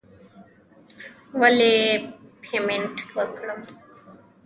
ولې پیمنټ وکړم.